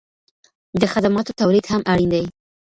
د خدماتو تولید هم اړین دی.